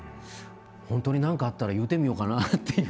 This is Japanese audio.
「本当に何かあったら言うてみようかな」っていう。